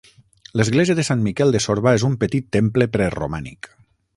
L'església de Sant Miquel de Sorba és un petit temple preromànic.